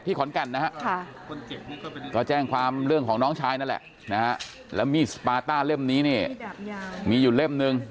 ขอนแก่นนะฮะก็แจ้งความเรื่องของน้องชายนั่นแหละนะฮะแล้วมีดสปาต้าเล่มนี้เนี่ยมีอยู่เล่มนึง